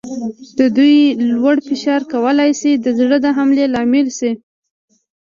د وینې لوړ فشار کولای شي د زړه د حملې لامل شي.